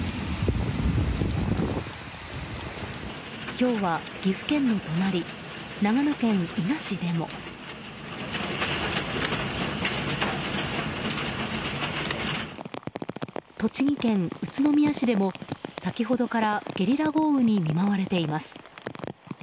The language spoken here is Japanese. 今日は、岐阜県の隣長野県伊那市でも栃木県宇都宮市でも先ほどからゲリラ豪雨に見舞われています。